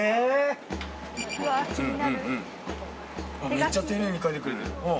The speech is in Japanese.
めっちゃ丁寧に描いてくれてる。